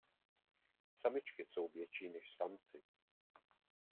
Samičky jsou větší než samci.